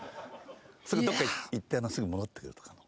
すぐどこかへ行ってすぐ戻ってくるとかの。